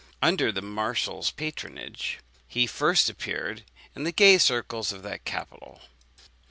Under the marshal's patronage, he first appeared in the gay circles of that capital.